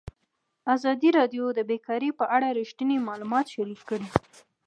ازادي راډیو د بیکاري په اړه رښتیني معلومات شریک کړي.